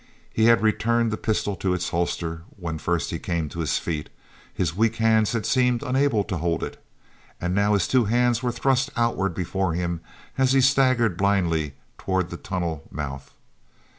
He had returned the pistol to its holster when first he came to his feet; his weak hands had seemed unable to hold it. And now his two hands were thrust outward before him as he staggered blindly toward the tunnel mouth.